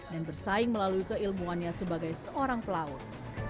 dan bersaing melalui keilmuannya sebagai seorang pelaut